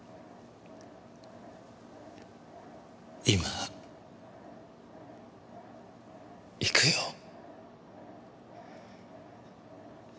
今行くよ。